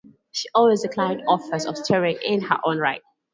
She always declined offers of starring in her own right.